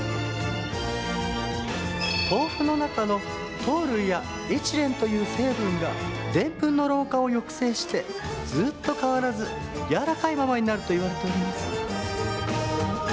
豆腐の中の糖類やエチレンという成分がでんぷんの老化を抑制してずっと変わらずやわらかいままになるといわれております。